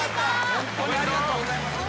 ホントにありがとうございます。